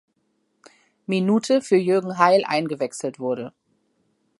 Minute für Jürgen Heil eingewechselt wurde.